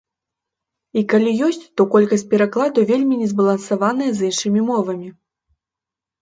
І калі ёсць, то колькасць перакладаў вельмі незбалансаваная з іншымі мовамі.